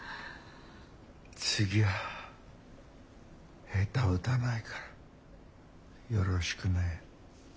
次はヘタ打たないからよろしくね。